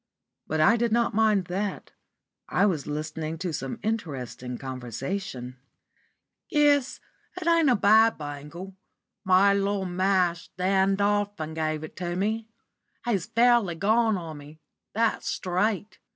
But I did not mind that; I was listening to some interesting conversation. "Yes, it ain't a bad bangle; my little mash, Dan Dolphin, gave it to me. He's fairly gone on me that's straight.